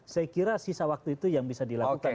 saya kira sisa waktu itu yang bisa dilakukan